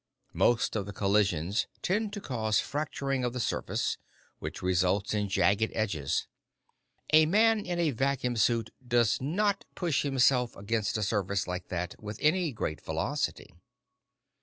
Most of the collisions tend to cause fracturing of the surface, which results in jagged edges. A man in a vacuum suit does not push himself against a surface like that with any great velocity.